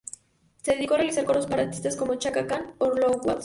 Se dedicó a realizar coros para artistas como Chaka Khan o Lou Rawls.